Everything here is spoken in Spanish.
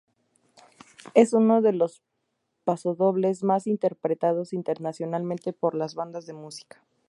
Es uno de los pasodobles más interpretados internacionalmente por las bandas de música.